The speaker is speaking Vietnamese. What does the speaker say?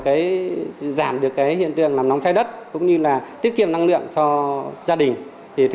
cái giảm được cái hiện tượng làm nóng trái đất cũng như là tiết kiệm năng lượng cho gia đình thì thứ